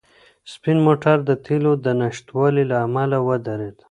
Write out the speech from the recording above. سپین موټر د تېلو د نشتوالي له امله ودرېد.